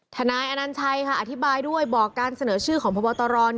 นายอนัญชัยค่ะอธิบายด้วยบอกการเสนอชื่อของพบตร